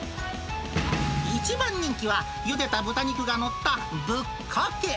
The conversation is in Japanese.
一番人気はゆでた豚肉が載ったぶっかけ。